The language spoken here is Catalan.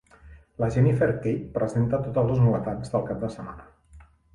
La Jennifer Keyte presenta totes les novetats del cap de setmana.